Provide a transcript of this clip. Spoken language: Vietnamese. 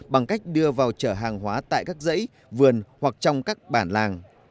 bằng cách đưa vào chở hàng hóa tại các dãy vườn hoặc trong các bản làng